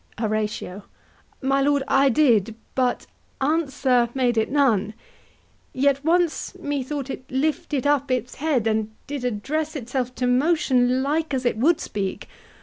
HORATIO. My lord, I did; But answer made it none: yet once methought It lifted up it head, and did address Itself to motion, like as it would speak.